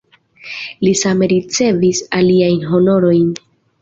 Li same ricevis aliajn honorojn.